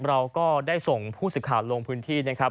เราก็ได้ส่งผู้สื่อข่าวลงพื้นที่นะครับ